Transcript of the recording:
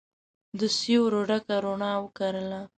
د سیورو ډکه روڼا وکرله